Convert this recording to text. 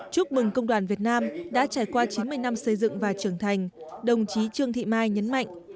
chúc mừng công đoàn việt nam đã trải qua chín mươi năm xây dựng và trưởng thành đồng chí trương thị mai nhấn mạnh